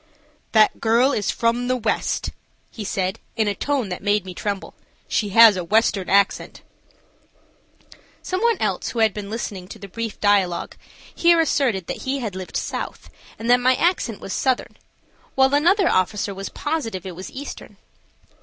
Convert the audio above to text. "That girl is from the west," he said, in a tone that made me tremble. "She has a western accent." Some one else who had been listening to the brief dialogue here asserted that he had lived south and that my accent was southern, while another officer was positive it was eastern.